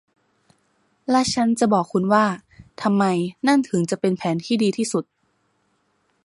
และฉันจะบอกคุณว่าทำไมนั่นถึงจะเป็นแผนที่ดีที่สุด